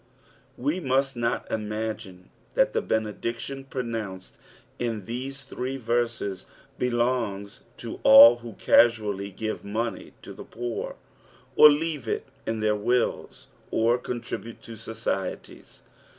We mu^L not imagine thiit the benediction pronounced in these three verses belongs to all who casually give money to the poor, or leave it in their wilts, or contrioiite to societies.